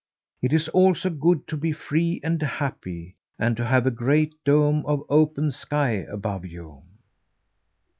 It is also good to be free and happy, and to have a great dome of open sky above you."